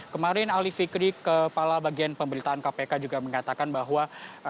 kemarin ali fikri kepala bagian pemberitaan kpk juga mengatakan bahwa